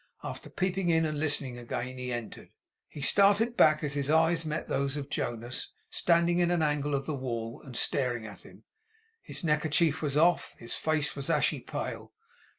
After peeping in and listening again, he entered. He started back as his eyes met those of Jonas, standing in an angle of the wall, and staring at him. His neckerchief was off; his face was ashy pale.